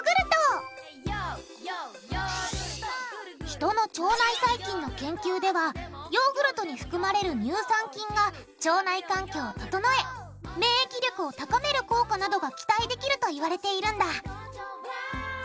人の腸内細菌の研究ではヨーグルトに含まれる乳酸菌が腸内環境を整え免疫力を高める効果などが期待できるといわれているんだ